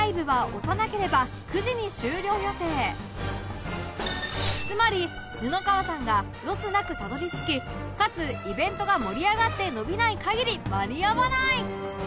ライブはつまり布川さんがロスなくたどり着きかつイベントが盛り上がって延びない限り間に合わない！